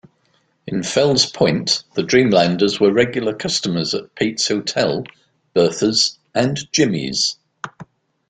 In Fells Point, the Dreamlanders were regular customers at Pete's Hotel, Bertha's, and Jimmy's.